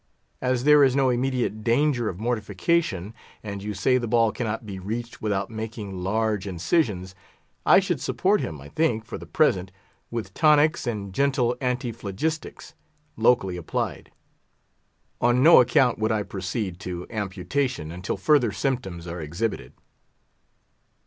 As there is no immediate danger of mortification, and you say the ball cannot be reached without making large incisions, I should support him, I think, for the present, with tonics, and gentle antiphlogistics, locally applied. On no account would I proceed to amputation until further symptoms are exhibited."